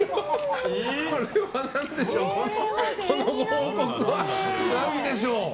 このご報告は何でしょう。